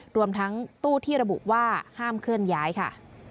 รวมทั้งตู้ที่ระบุว่าห้ามเคลื่อนย้ายค่ะ